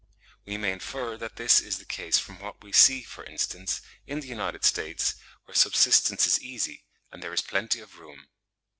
We may infer that this is the case from what we see, for instance, in the United States, where subsistence is easy, and there is plenty of room.